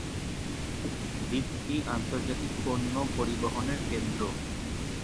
দ্বীপটি আন্তর্জাতিক পণ্য পরিবহনের কেন্দ্র।